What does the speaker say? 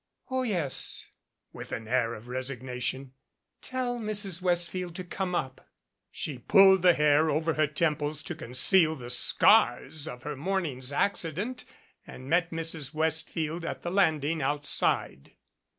"Oh, yes," with an air of resignation, "tell Mrs. West field to come up." She pulled the hair over her temples to conceal the scars of her morning's accident and met Mrs. Westfield at the landing outside.